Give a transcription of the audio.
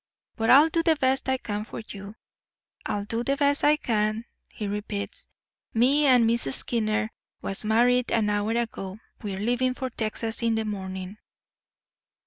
But I'll do the best I can for you—I'll do the best I can,' he repeats. 'Me and Miss Skinner was married an hour ago. We're leaving for Texas in the morning.